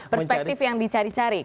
perspektif yang dicari cari